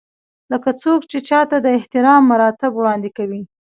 لکه څوک چې چاته د احترام مراتب وړاندې کوي.